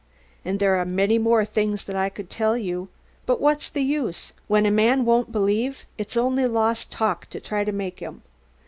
And there are many more things that I could tell you, but what's the use; when a man won't believe it's only lost talk to try to make him.